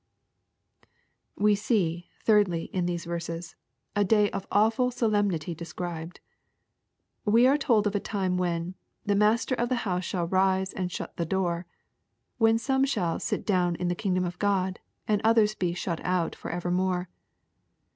'' We see, thirdly, in these verses, a day of awful solem" nity described. We are told of a time when " the mastei of the house shall rise and shut the door," when some shall " sit down in the kingdom of God," and others be " shut out" for evermore.